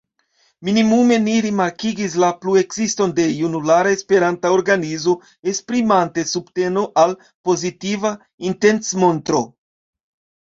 Minimume ni rimarkigis la pluekziston de junulara esperanta organizo esprimante subtenon al pozitiva intencmontro.